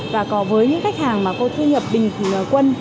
và có với những khách hàng mà có thu nhập bình quân